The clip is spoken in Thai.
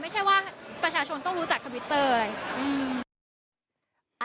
ไม่ใช่ว่าประชาชนต้องรู้จักทวิตเตอร์อะไร